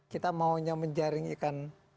kita maunya menjaring ikan